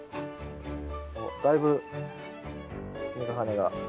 おっだいぶ積み重ねが。